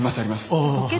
ああ。